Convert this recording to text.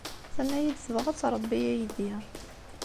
Tenna-iyi-d tebɣa ad tṛebbi aydi.